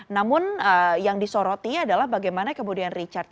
namun yang disoroti adalah bagaimana kemudian richard